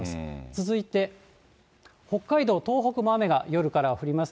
続いて、北海道、東北も雨が夜から降ります。